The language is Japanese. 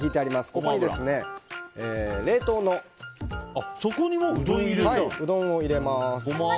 ここに冷凍のうどんを入れます。